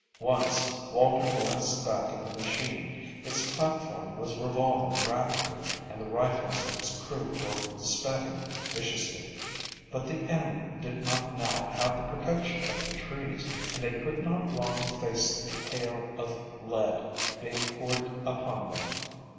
Once Walter glanced back at the machine. Its platform was revolving rapidly and the rifles of its crew were spatting viciously. But the enemy did not now have the protection of the trees, and they could not long face the hail of lead being poured upon them.